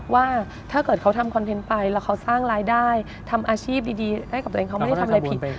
ว่าถ้าเกิดเขาทำคอนเทนต์ไปแล้วเขาสร้างรายได้ทำอาชีพดีให้กับตัวเองเขาไม่ได้ทำอะไรผิด